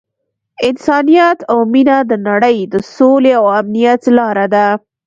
انسانیت او مینه د نړۍ د سولې او امنیت لاره ده.